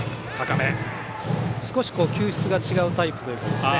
少し、球質が違うタイプというか。